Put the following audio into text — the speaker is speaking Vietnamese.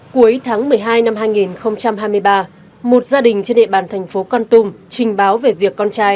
cuối tháng một mươi hai năm hai nghìn hai mươi ba một gia đình trên địa bàn thành phố con tum trình báo về việc con trai